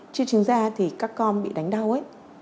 chưa chứng ra thì các con bị đánh đau ấy